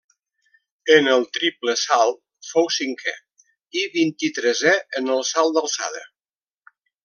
En el triple salt fou cinquè i vint-i-tresè en el salt d'alçada.